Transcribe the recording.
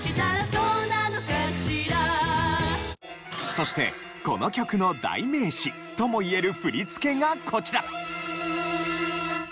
そしてこの曲の代名詞ともいえる振り付けがこちら。